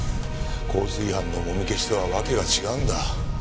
交通違反のもみ消しとはわけが違うんだ。